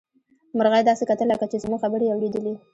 مرغۍ داسې کتل لکه چې زموږ خبرې يې اوريدلې.